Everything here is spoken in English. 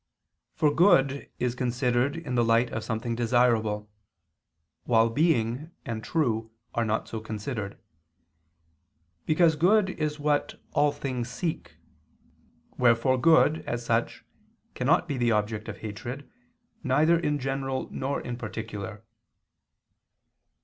For good is considered in the light of something desirable, while being and true are not so considered: because good is "what all things seek." Wherefore good, as such, cannot be the object of hatred, neither in general nor in particular.